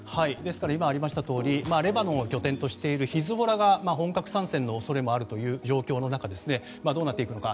今ありましたとおりレバノンを拠点としているヒズボラが本格参戦の恐れもあるという状況の中どうなっていくのか。